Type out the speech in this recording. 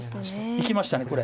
いきましたこれ。